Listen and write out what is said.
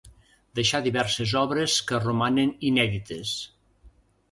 Deixà diverses obres que romanen inèdites.